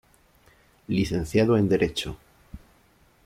Licenciado en Derecho.